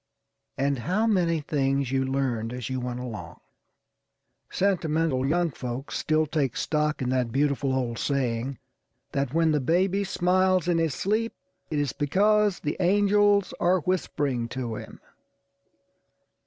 And how many things you learned as you went along! Sentimental young folks still take stock in that beautiful old saying that when the baby smiles in his sleep, it is because the angels are whispering to him.